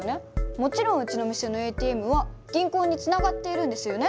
もちろんうちの店のＡＴＭは銀行につながっているんですよね？